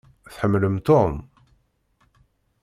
Tḥemmlem Tom?